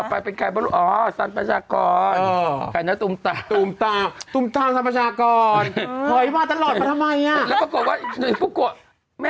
ไม่ต้องไปมูที่ไหนรัฐหวัดน้ำแดงแม่ก็เถอะ